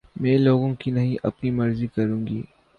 میں لوگوں کی نہیں اپنی مرضی کروں گی